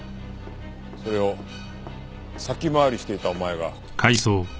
それを先回りしていたお前が。